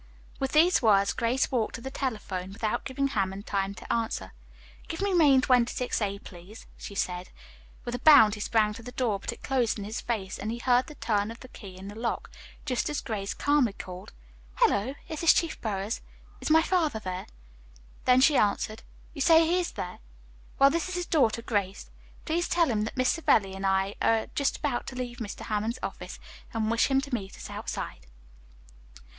With these words, Grace walked to the telephone without giving Hammond time to answer. "Give me Main 268a, please," she said. With a bound he sprang to the door, but it closed in his face, and he heard the turn of the key in the lock, just as Grace calmly called, "Hello, is this Chief Burroughs? Is my father there?" Then she answered, "You say he is there? Well, this is his daughter, Grace. Please tell him that Miss Savelli and I are just about to leave Mr. Hammond's office, and wish him to meet us outside."